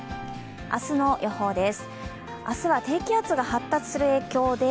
明日の予報です。